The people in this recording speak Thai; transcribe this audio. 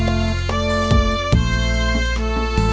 ไม่ใช้